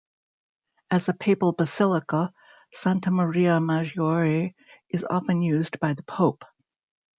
As a papal basilica, Santa Maria Maggiore is often used by the pope.